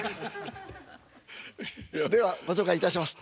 ではご紹介いたします。